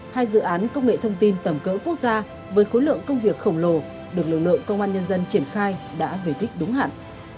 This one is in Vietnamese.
hai dự án công nghệ thông tin tầm cỡ quốc gia với khối lượng công việc khổng lồ được lực lượng công an nhân dân triển khai đã về đích đúng hạn